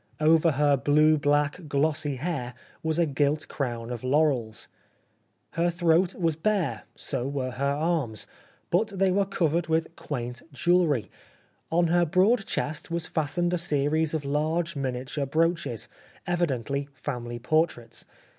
Over her blue black, glossy hair was a gilt crown of laurels. Her 71 The Life of Oscar Wilde throat was bare, so were her arms, but they were covered with quaint jeweUery. On her broad chest was fastened a series of large minia ture brooches, evidently family portraits